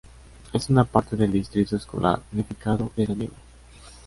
Es una parte del Distrito Escolar Unificado de San Diego.